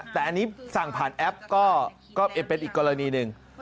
แต่อันนี้สั่งผ่านแอปก็เป็นอีกกรณีหนึ่ง